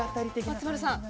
松丸さん。